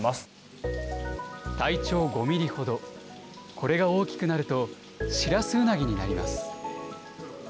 これが大きくなると、シラスウナギになります。